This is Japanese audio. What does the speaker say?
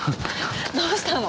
どうしたの？